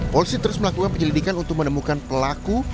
polisi terus melakukan penyelidikan untuk menemukan pelaku